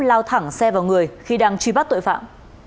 lao thẳng xe vào người khi đang truy bắt tội phạm